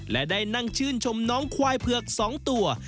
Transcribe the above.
และได้นั่งชื่นชมน้องควายเผือก๒ตัว